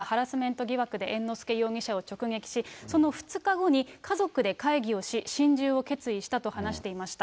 先月の１５日に週刊誌の記者がハラスメント疑惑で猿之助容疑者を直撃し、その２日後に、家族で会議をし、心中を決意したと話していました。